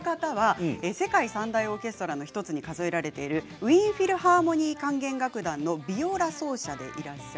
世界三大オーケストラの１つに数えられているウィーン・フィルハーモニー管弦楽団のビオラ奏者です。